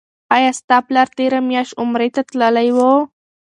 آیا ستا پلار تیره میاشت عمرې ته تللی و؟